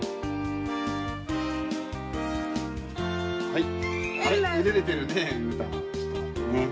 はい。